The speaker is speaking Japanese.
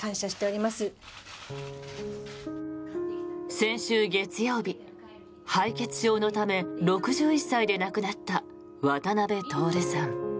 先週月曜日、敗血症のため６１歳で亡くなった渡辺徹さん。